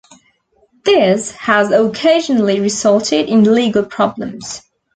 This has occasionally resulted in legal problems.